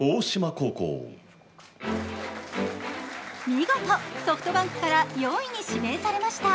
見事、ソフトバンクから４位に指名されました。